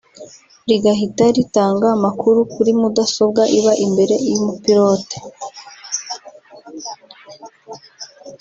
rigahita ritanga amakuru kuri mudasobwa iba imbere y’ mupilote